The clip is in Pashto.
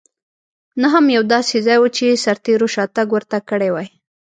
نه هم یو داسې ځای و چې سرتېرو شاتګ ورته کړی وای.